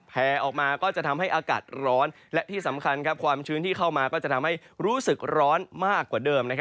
แผลออกมาก็จะทำให้อากาศร้อนและที่สำคัญความชื้นที่เข้ามาก็จะทำให้รู้สึกร้อนมากกว่าเดิม